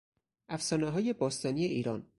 افسانههای باستانی ایران